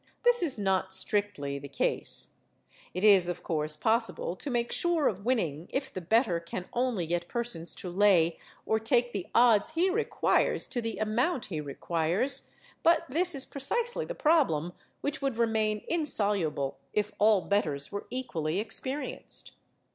This is not strictly the case. It is of course possible to make sure of winning if the bettor can only get persons to lay or take the odds he requires to the amount he requires. But this is precisely the problem which would remain insoluble if all bettors were equally experienced.